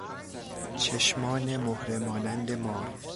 چشمان مهره مانند مار